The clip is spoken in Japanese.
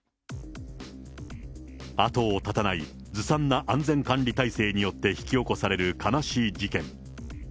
後を絶たないずさんな安全管理体制によって引き起こされる悲しい事件。